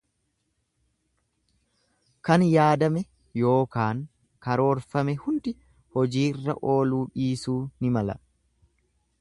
Kan yaadame yookaan karoorfame hundi hojiirra ooluu dhiisuu ni mala.